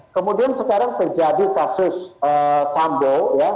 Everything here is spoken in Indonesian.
kemudian sekarang terjadi kasus sambo